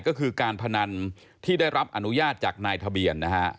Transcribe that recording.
ก็คือการพนันที่ได้รับอนุญาตจากนายทะเบียนนะฮะ